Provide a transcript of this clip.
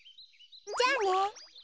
じゃあね。